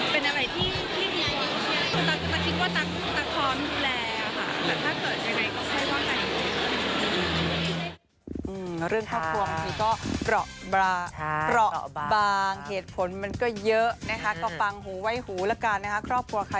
พอโครเตรสแล้วก็มีการผิดอการที่ปริญญา